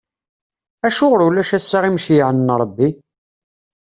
Acuɣer ulac ass-a imceyyɛen n Ṛebbi?